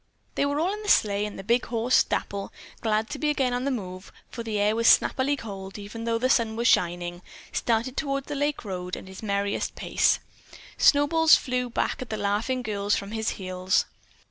They were all in the sleigh and the big horse, Dapple, glad to be again on the move, for the air was snappily cold even though the sun was shining, started toward the Lake Road at his merriest pace. Snowballs flew back at the laughing girls from his heels.